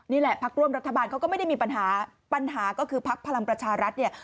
นี่แหละพักร่วมรัฐบาลเขาก็ไม่ได้มีปัญหาปัญหาก็คือพักพลังประชารัฐเนี่ย